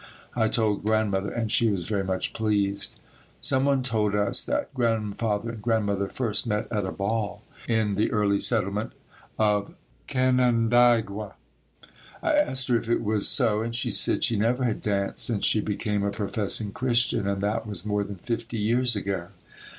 I told Grandmother and she was very much pleased. Some one told us that Grandfather and Grandmother first met at a ball in the early settlement of Canandaigua. I asked her if it was so and she said she never had danced since she became a professing Christian and that was more than fifty years ago.